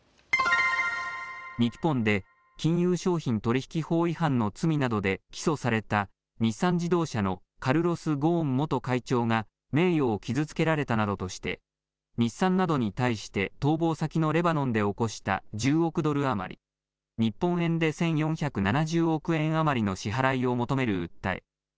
日本で金融商品取引法違反の罪などで起訴された日産自動車のカルロス・ゴーン元会長が名誉を傷つけられたなどとして日産などに対して逃亡先のレバノンで起こした１０億ドル余り、日本円で１４７０億円余りの支払いを求める訴え。